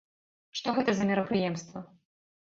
Што гэта за мерапрыемства?